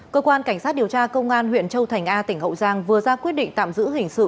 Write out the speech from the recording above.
cơ quan cảnh sát điều tra công an huyện châu thành a tỉnh hậu giang vừa ra quyết định tạm giữ hình sự